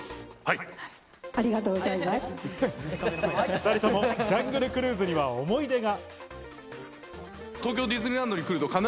２人ともジャングルクルーズには思い出が。